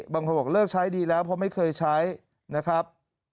บางคนบอกเลิกใช้ดีแล้วเพราะไม่เคยใช้นะครับ